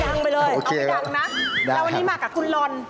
เอายังไปเลยเอาให้ยังนะแล้วกับคุณลอน